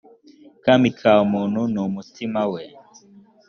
kami kamuntu numutimawe.